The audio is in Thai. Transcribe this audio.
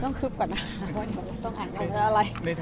ต้องขึ้นก่อนนะคะ